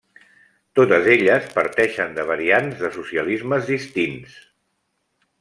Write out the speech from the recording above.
Totes elles parteixen de variants de socialismes distints.